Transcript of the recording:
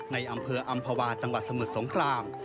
ในอำเภออำภาวาจังหวัดสมุทรสงคราม